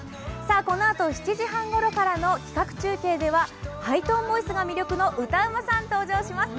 このあと７時半ごろからの企画中継ではハイトーンボイスが魅力の歌うまさんが登場します。